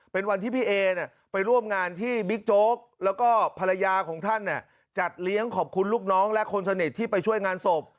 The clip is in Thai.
เป็นวันที่พี่เอไปร่วมงานที่บิ๊กโจ๊กแล้วก็ภรรยาของท่านจัดเลี้ยงขอบคุณลูกน้องและคนสนิทที่ไปช่วยงานศพ